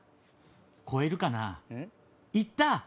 「越えるかな？行った！」。